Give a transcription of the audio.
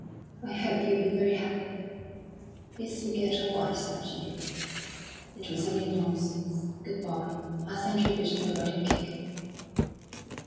"I hope you'll be very happy. Please forget all I've said to you. It was only nonsense. Good bye! I'll send you a bit of my wedding cake."